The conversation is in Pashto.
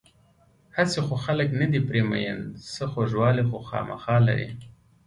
هسې خو خلک نه دي پرې مین، څه خوږوالی خو خوامخا لري.